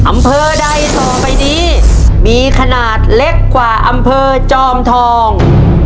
อำเภอใดต่อไปนี้มีขนาดเล็กกว่าอำเภอจอมทอง